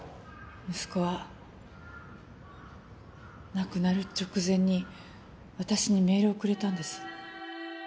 息子は亡くなる直前に私にメールをくれたんです。